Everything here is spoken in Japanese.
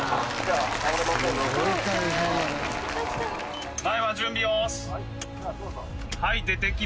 すごい大変やな。